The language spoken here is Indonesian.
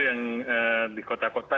yang di kota kota